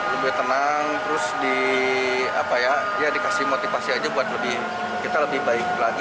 lebih tenang terus dikasih motivasi aja buat kita lebih baik lagi